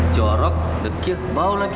corok dekit bau lagi